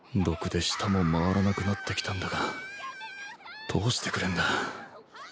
毒で舌も回らなくなってきたんだがどうしてくれんだ